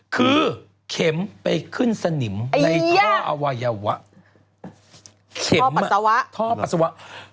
คือเข็มไปขึ้นสนิมในท่ออวัยวะเข็มท่อปัสสาวะท่อปัสสาวะ